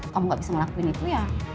kamu gak bisa ngelakuin itu ya